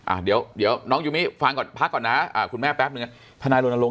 อ่ะเดี๋ยวน้องยูมิฟังก่อนพักก่อนนะคุณแม่แป๊บเมื่อทำนายโรนโลง